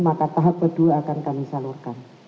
maka tahap kedua akan kami salurkan